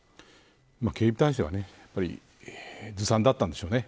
警備体制は、やはりずさんだったんでしょうね。